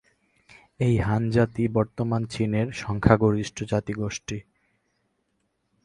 এই হান জাতি বর্তমান চীনের সংখ্যাগরিষ্ঠ জাতিগোষ্ঠী।